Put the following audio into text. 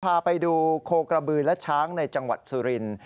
พาไปดูโคกระบือและช้างในจังหวัดสุรินทร์